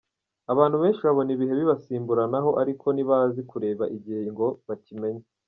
Abantu benshi babona ibihe bibasimburanaho ariko ntibazi kureba igihe ngo bakimenye.